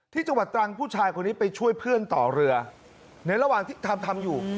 จังหวัดตรังผู้ชายคนนี้ไปช่วยเพื่อนต่อเรือในระหว่างที่ทำทำอยู่